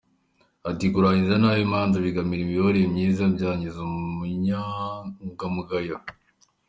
Ati “Kurangiza nabi imanza bibangamira imiyoborere myiza, byangiza umunyangamugayo.